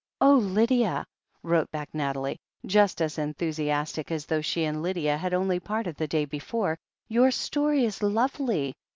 "Oh, Lydia!" wrote back Nathalie, just as enthusi astic as though she and Lydia had only parted the day before, "your story is lovely.